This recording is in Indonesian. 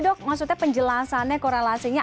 dok maksudnya penjelasannya korelasinya